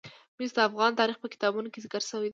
مس د افغان تاریخ په کتابونو کې ذکر شوی دي.